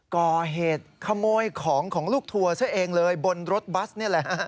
ก่อเหตุขโมยของของลูกทัวร์ซะเองเลยบนรถบัสนี่แหละฮะ